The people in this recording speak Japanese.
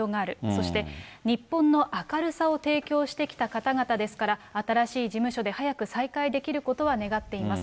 そして、日本の明るさを提供してきた方々ですから、新しい事務所で早く再開できることは願っています。